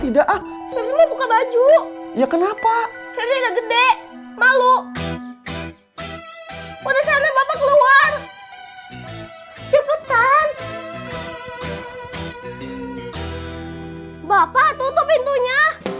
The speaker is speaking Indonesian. tidak buka baju ya kenapa gede malu udah keluar cepetan bapak tutup pintunya